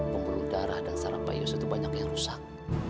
pembuluh darah dan sarap bios itu banyak yang rusak